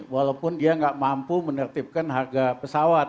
walaupun dia nggak mampu menertibkan harga pesawat